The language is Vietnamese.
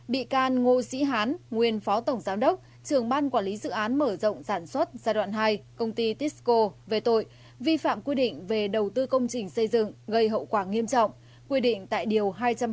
bị can ngô sĩ hán nguyên phó tổng giám đốc trường ban quản lý dự án mở rộng sản xuất giai đoạn hai công ty tisco về tội vi phạm quy định về đầu tư công trình xây dựng gây hậu quả nghiêm trọng quy định tại điều hai trăm hai mươi